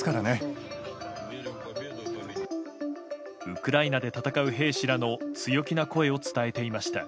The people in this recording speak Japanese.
ウクライナで戦う兵士らの強気な声を伝えていました。